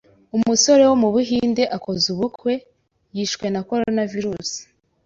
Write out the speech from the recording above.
umusore wo mu Buhinde akoze ubukwe, yishwe na Coronavirus,